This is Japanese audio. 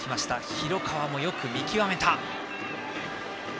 広川もよく見極めた。